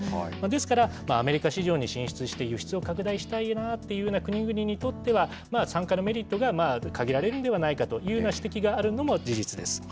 ですから、アメリカ市場に進出して輸出を拡大したいなというような国々にとっては、参加のメリットが限られるんではないかという指摘があるのも事実です。